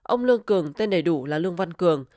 ông lương cường tên đầy đủ là lương văn cường